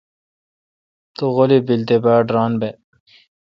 تو غیلی بیل تے باڑ ران بہ۔